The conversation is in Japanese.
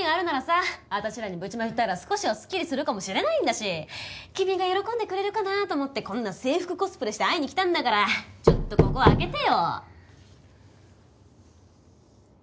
私らにぶちまけたら少しはすっきりするかもしれないんだし君が喜んでくれるかなと思ってこんな制服コスプレして会いに来たんだからちょっとここ開けてよ。